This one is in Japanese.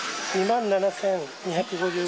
２万７２５５円。